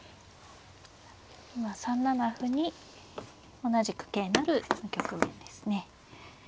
今３七歩に同じく桂成の局面ですね。